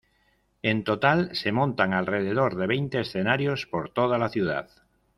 En total se montan alrededor de veinte escenarios por toda la ciudad.